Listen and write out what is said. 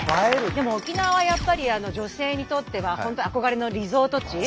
沖縄はやっぱり女性にとっては本当憧れのリゾート地。